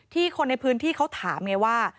คนในพื้นที่เขาถามไงว่า